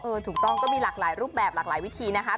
ถูกต้องก็มีหลากหลายรูปแบบหลากหลายวิธีนะคะ